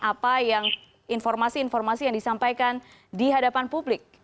apa yang informasi informasi yang disampaikan di hadapan publik